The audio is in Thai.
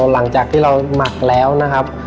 หลังจากที่เราหมักแล้วนะครับ